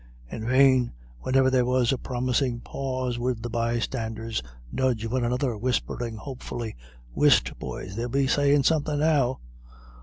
In vain, whenever there was a promising pause would the bystanders nudge one another, whispering, hopefully, "Whist, boys they'll be sayin' somethin' now."